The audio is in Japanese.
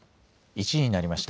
１時になりました。